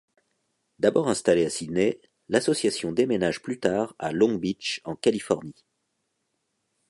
D'abord installée à Sydney, l'association déménage plus tard à Long Beach en Californie.